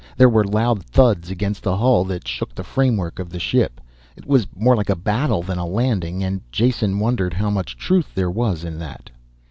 There were loud thuds against the hull that shook the framework of the ship. It was more like a battle than a landing, and Jason wondered how much truth there was in that.